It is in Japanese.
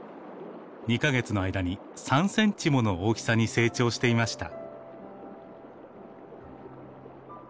２か月の間に３センチもの大きさに成長していました。